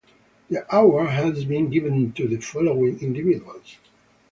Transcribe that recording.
The award has been given to the following individuals.